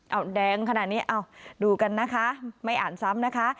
เอาแดงขนาดนี้เอาดูกันนะคะไม่อ่านซ้ำนะคะ